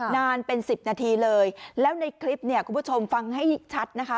นานเป็นสิบนาทีเลยแล้วในคลิปเนี่ยคุณผู้ชมฟังให้ชัดนะคะ